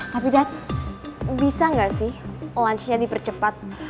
tapi dad bisa gak sih lunch nya dipercepat